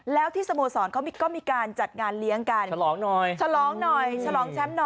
แล้วสโมศรก็มีการจัดงานเลี้ยงกัน